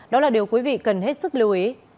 đó là điều quý vị cần hết sức lưu ý